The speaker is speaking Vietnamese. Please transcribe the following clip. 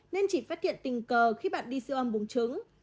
nên chỉ phát hiện tình cờ khi bạn đi siêu âm bùng trứng